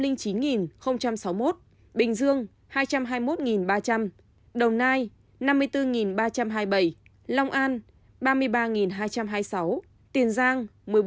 tp hcm bốn trăm linh chín sáu mươi một bình dương hai trăm hai mươi một ba trăm linh đồng nai năm mươi bốn ba trăm hai mươi bảy long an ba mươi ba hai trăm hai mươi sáu tiền giang một mươi bốn bốn trăm bảy mươi bảy